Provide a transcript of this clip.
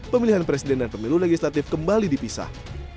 pemilihan presiden dan pemilu legislatif kembali dipisah